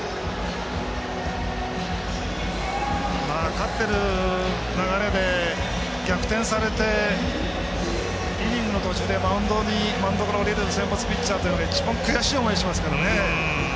勝ってる流れで逆転されて、イニングの途中でマウンドから降りる先発ピッチャーが一番、悔しい思いをしますからね。